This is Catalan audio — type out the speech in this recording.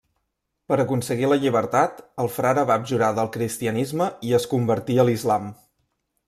Per aconseguir la llibertat, el frare va abjurar del cristianisme i es convertí a l'islam.